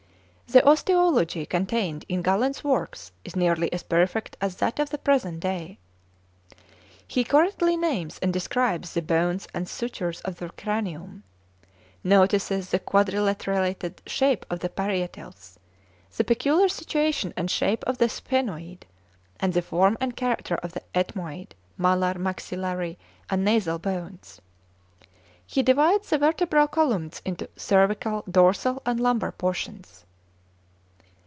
The osteology contained in Galen's works is nearly as perfect as that of the present day. He correctly names and describes the bones and sutures of the cranium; notices the quadrilateral shape of the parietals, the peculiar situation and shape of the sphenoid, and the form and character of the ethmoid, malar, maxillary, and nasal bones. He divides the vertebral columns into cervical, dorsal, and lumbar portions.